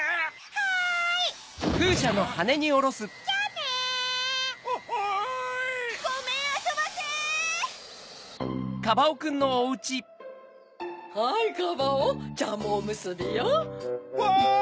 はいカバオジャンボおむすびよ！わい！